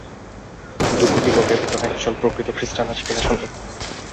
দুই কোটি লোকের ভিতর একজন প্রকৃত খ্রীষ্টান আছে কিনা সন্দেহ।